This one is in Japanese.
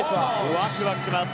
ワクワクします。